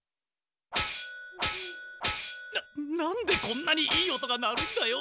ななんでこんなにいい音が鳴るんだよ！？